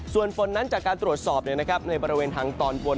ส่วนฝนนั้นจากการตรวจสอบในบริเวณทางตอนบน